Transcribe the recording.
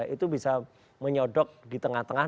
itu bisa menyodok di tengah tengah